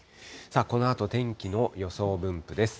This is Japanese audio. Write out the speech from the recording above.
このあと天気の予想分布です。